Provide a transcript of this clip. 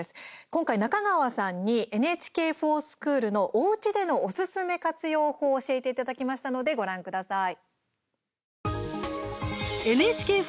今回、中川さんに「ＮＨＫｆｏｒＳｃｈｏｏｌ」のおうちでのおすすめ活用法を教えていただきましたのでご覧ください。